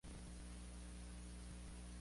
Fue producido por Esteban Pesce.